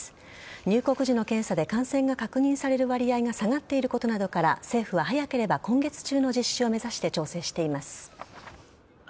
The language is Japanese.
入国時の検査で感染が確認される割合が下がっていることなどから政府は早ければ今月中の実施を目指して調整しています。